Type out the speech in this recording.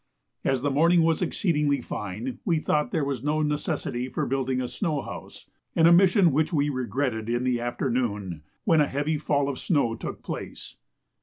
As the morning was exceedingly fine, we thought there was no necessity for building a snow house, an omission which we regretted in the afternoon, when a heavy fall of snow took place.